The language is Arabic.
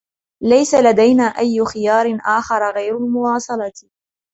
ليس لدينا أي خيار آخر غير المواصلة.